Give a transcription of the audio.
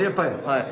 はい。